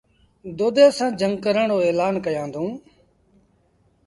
دودي سآݩ جھنگ ڪرڻ رو ايلآن ڪيآݩدوݩ ۔